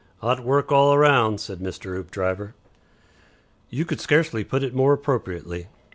"'Ot work all round," said Mr. Hoopdriver. "You could scarcely put it more appropriately.